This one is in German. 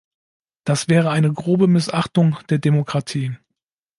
Das wäre eine grobe Missachtung der Demokratie.